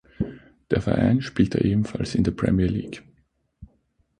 Der Verein spielte ebenfalls in der Premier League.